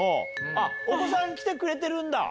お子さん来てくれてるんだ！